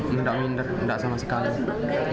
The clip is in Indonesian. nggak minder nggak sama sekali